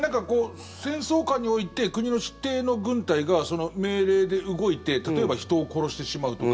戦争下において国の指定の軍隊が命令で動いて例えば、人を殺してしまうとか